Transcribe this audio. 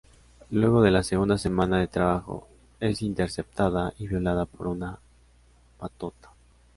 Luego de la segunda semana de trabajo, es interceptada y violada por una patota.